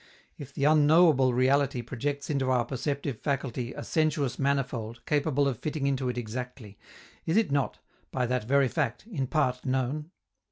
If the unknowable reality projects into our perceptive faculty a "sensuous manifold" capable of fitting into it exactly, is it not, by that very fact, in part known?